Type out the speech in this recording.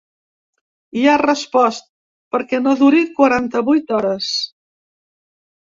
I ha respost: Perquè no duri quaranta-vuit hores.